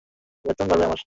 বেতনও বাড়বে আমার।